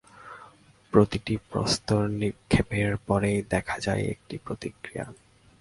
প্রতিটি প্রস্তর নিক্ষেপের পরেই দেখা যায় একটি প্রতিক্রিয়া।